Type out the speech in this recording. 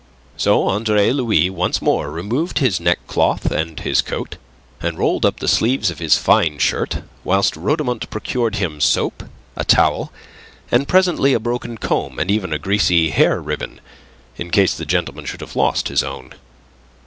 So Andre Louis once more removed his neckcloth and his coat, and rolled up the sleeves of his fine shirt, whilst Rhodomont procured him soap, a towel, and presently a broken comb, and even a greasy hair ribbon, in case the gentleman should have lost his own.